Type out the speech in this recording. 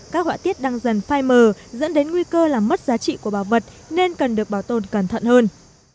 các họa tiết đang dần phai mờ dẫn đến nguy cơ làm mất giá trị của bảo vật nên cần được bảo tồn cẩn thận hơn